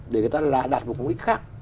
để người ta đạt một công đích khác